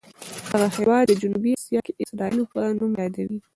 دغه هېواد جنوبي اسیا کې اسرائیلو په نوم یادوي.